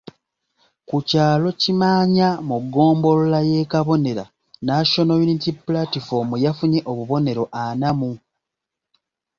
Ku kyalo Kimaanya mu ggombolola y'e Kabonera National Unity Platform yafunye obululu ana mu.